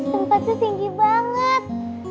tempatnya tinggi banget